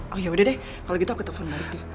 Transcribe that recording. oh yaudah deh kalau gitu aku telpon lagi